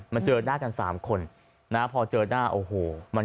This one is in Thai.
เจอหน้ากัน๓คนนะพอเจอหน้าโอ้โห